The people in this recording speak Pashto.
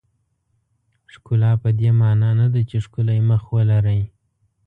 ښکلا پدې معنا نه ده چې ښکلی مخ ولرئ.